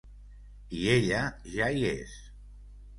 I ella ja hi és.